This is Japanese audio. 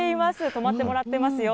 止まってもらっていますよ。